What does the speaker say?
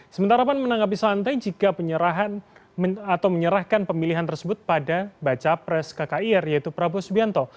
sementara pan menanggapi santai jika menyerahkan pemilihan tersebut pada baca pres kkir yaitu prabowo subianto